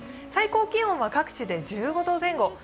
最高気温は各地で１５度前後。